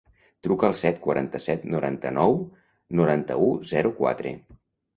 Truca al set, quaranta-set, noranta-nou, noranta-u, zero, quatre.